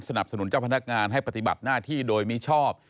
สนุนเจ้าพนักงานให้ปฏิบัติหน้าที่โดยมิชอบ